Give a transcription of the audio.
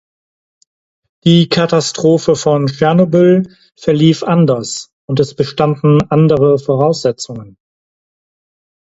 Die Katastrophe von Tschernobyl verlief anders, und es bestanden andere Voraussetzungen.